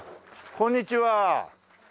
こんにちは！